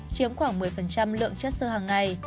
chiếm khoảng một mươi lượng chất sơ hàng ngày